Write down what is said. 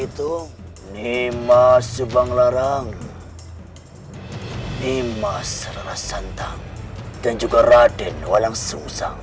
punihlah semua itu